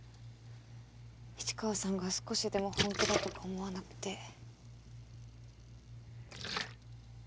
市川さんが少しでも本気だとか思わなくて。